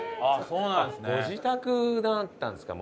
そうなんですね。